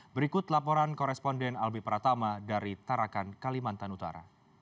berikut laporan koresponden albi pratama dari tarakan kalimantan utara